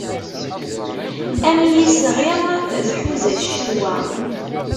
Am yisɣi tḥuza ccetwa.